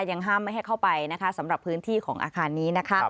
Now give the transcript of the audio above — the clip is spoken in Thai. ยังห้ามไม่ให้เข้าไปนะคะสำหรับพื้นที่ของอาคารนี้นะคะ